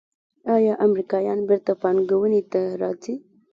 آیا امریکایان بیرته پانګونې ته راځí؟